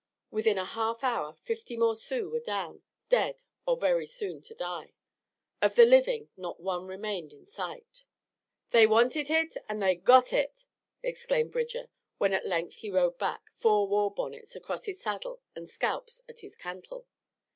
Within a half hour fifty more Sioux were down, dead or very soon to die. Of the living not one remained in sight. "They wanted hit, an' they got hit!" exclaimed Bridger, when at length he rode back, four war bonnets across his saddle and scalps at his cantle.